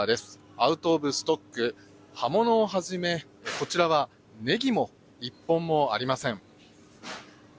アウト・オブ・ストック葉物をはじめこちらはネギも１本もありません。